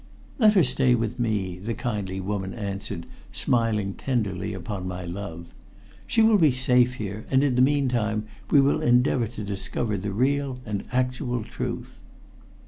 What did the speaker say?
"Let her stay with me," the kindly woman answered, smiling tenderly upon my love. "She will be safe here, and in the meantime we will endeavor to discover the real and actual truth."